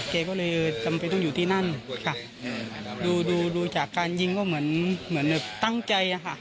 แกก็เลยจำเป็นต้องอยู่ที่นั่นค่ะดูดูจากการยิงก็เหมือนเหมือนแบบตั้งใจอะค่ะ